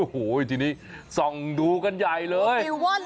โอ้โหทีนี้ส่องดูกันใหญ่เลย